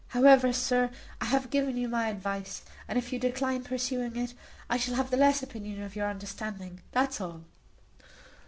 However, sir, I have given you my advice; and if you decline pursuing it, I shall have the less opinion of your understanding that's all."